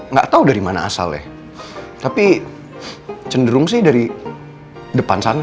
nggak tahu dari mana asalnya tapi cenderung sih dari depan sana